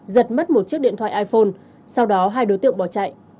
giật mất một chiếc điện thoại iphone sau đó hai đối tượng bỏ chạy